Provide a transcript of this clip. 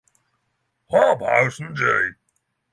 Hobhouse and J.